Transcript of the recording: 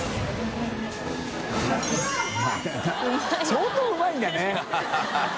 相当うまいんだね。